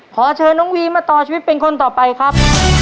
ขอเชิญน้องวีมาต่อชีวิตเป็นคนต่อไปครับ